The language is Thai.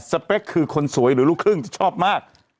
เป๊กคือคนสวยหรือลูกครึ่งชอบมาก